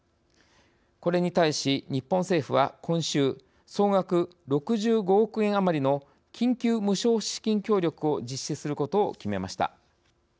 これに対し、日本政府は、今週総額６５億円余りの緊急無償資金協力を実施することを決めました。